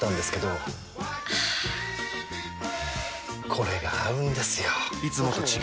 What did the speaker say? これが合うんですよ！